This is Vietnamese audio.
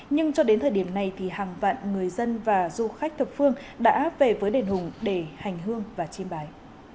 nhưng cho đến thời điểm này thì hàng vạn người dân và du khách thập phương đã về với đền hùng để hành hương và chim bái